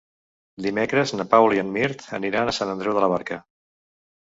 Dimecres na Paula i en Mirt aniran a Sant Andreu de la Barca.